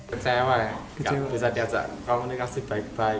kecewa ya kan bisa diajak komunikasi baik baik